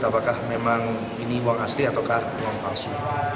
apakah memang ini uang asli ataukah uang palsu